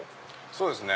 そうですね